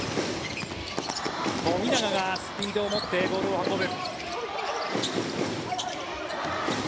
富永がスピードを持ってボールを運ぶ。